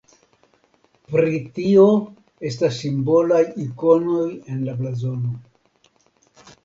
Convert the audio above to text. Pri tio estas simbolaj ikonoj en la blazono.